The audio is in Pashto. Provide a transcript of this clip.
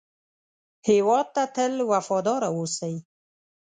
هېواد ته تل وفاداره اوسئ